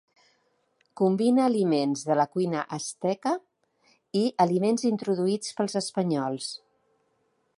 Combina aliments de la cuina asteca i aliments introduïts pels espanyols.